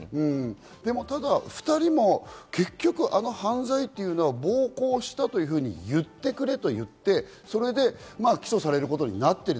ただ２人も結局、あの犯罪は暴行したというふうに言ってくれと言って、それで起訴されることになっている。